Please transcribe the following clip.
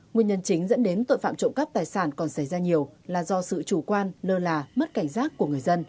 nguyên nhân chính dẫn đến tội phạm trộm cắp tài sản còn xảy ra nhiều là do sự chủ quan lơ là mất cảnh giác của người dân